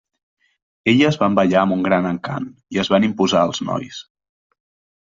Elles van ballar amb un gran encant, i es van imposar als nois.